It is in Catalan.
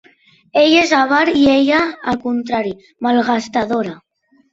Ell és avar, i ella, al contrari, malgastadora.